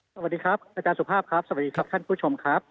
สวัสดีครับอาจารย์สุภาพครับสวัสดีครับท่านผู้ชมครับ